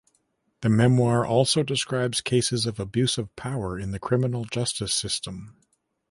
The memoir also describes cases of abuse of power in the criminal justice system.